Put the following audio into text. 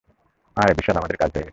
আয় বিশাল, আমাদের কাজ হয়ে গেছে।